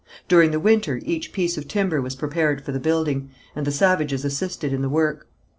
During the winter each piece of timber was prepared for the building, and the savages assisted in the work.